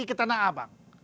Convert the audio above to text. ke tanah abang